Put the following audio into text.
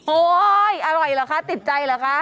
โอ๊ยอร่อยเหรอคะติดใจเหรอคะ